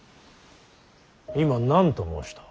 今何と申した。